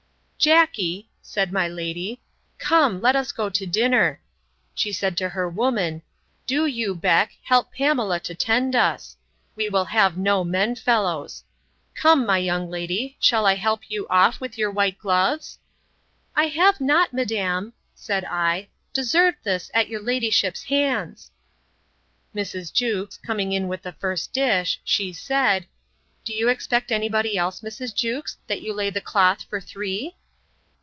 Jackey, said my lady, come, let us go to dinner. She said to her woman, Do you, Beck, help Pamela to 'tend us; we will have no men fellows.—Come, my young lady, shall I help you off with your white gloves? I have not, madam, said I, deserved this at your ladyship's hands. Mrs. Jewkes, coming in with the first dish, she said, Do you expect any body else, Mrs. Jewkes, that you lay the cloth for three?